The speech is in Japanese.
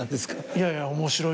いやいや。